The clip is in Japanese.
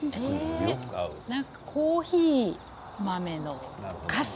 コーヒー豆のかす。